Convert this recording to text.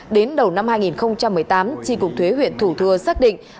đến đầu năm hai nghìn một mươi tám tri cục thuế huyện thủ thừa xác định